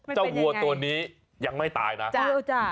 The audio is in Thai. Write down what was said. เจ้าหัวตัวนี้ยังไม่ตายนะอื้อจ้า